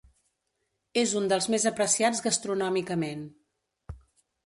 És un dels més apreciats gastronòmicament.